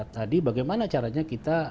tadi bagaimana caranya kita